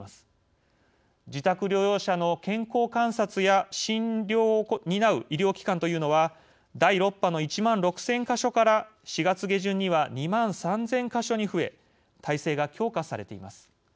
自宅療養者の健康観察や診療を担う医療機関というのは第６波の１万６，０００か所から４月下旬には２万３，０００か所に増え体制が強化されています。